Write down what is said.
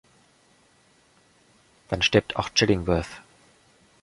Dann stirbt auch Chillingworth.